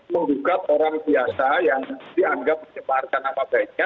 membuka orang biasa yang dianggap cepat dan apa baiknya